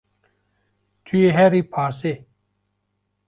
Tu yê herî parsê